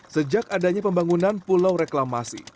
sejak adanya pembangunan pulau reklamasi